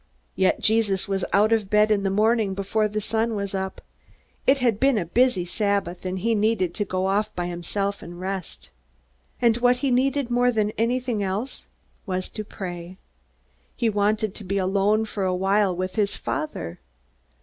Yet Jesus was out of bed in the morning before the sun was up. It had been a busy Sabbath, and he needed to go off by himself and rest. And what he needed more than anything else was to pray. He wanted to be alone for a while with his Father.